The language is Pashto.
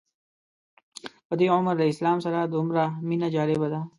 په دې عمر له اسلام سره دومره مینه جالبه ده.